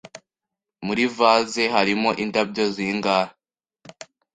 Muri vase harimo indabyo zingahe?